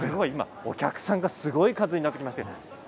お客さんがすごい数になってきました。